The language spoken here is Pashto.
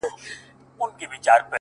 که آرام غواړې؛ د ژوند احترام وکړه؛